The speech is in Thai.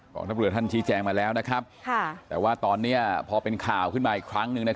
องทัพเรือท่านชี้แจงมาแล้วแต่ว่าตอนนี้พอเป็นข่าวขึ้นมาอีกครั้งหนึ่ง